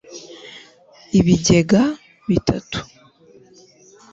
Ibigega bitatu